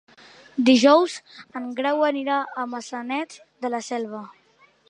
Dijous en Grau anirà a Maçanet de la Selva.